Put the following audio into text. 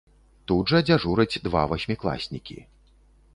Тут жа дзяжураць два васьмікласнікі.